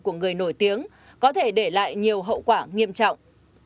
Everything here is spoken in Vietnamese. của người nổi tiếng có thể để lại nhiều hậu quả nghiêm trọng